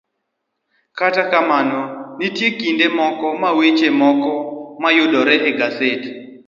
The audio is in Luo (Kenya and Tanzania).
Kata kamano, nitie kinde moko ma weche moko mayudore e gaset